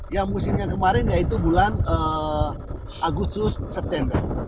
ya musimnya kemarin yaitu bulan agustus september